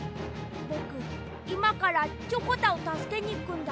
ぼくいまからチョコタをたすけにいくんだ。